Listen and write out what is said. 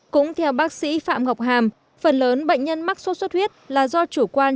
cũng theo bác sĩ phạm ngọc hàm phần lớn bệnh nhân mắc sốt xuất huyết là do chủ quan